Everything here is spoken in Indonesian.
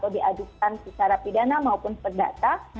diadukan secara pidana maupun perdata